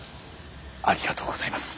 ありがとうございます。